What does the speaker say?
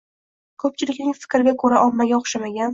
Ko’pchilikning fikriga ko’ra ommaga o’xshamagan